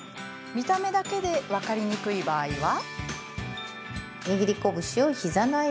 見た目だけで分かりにくい場合は。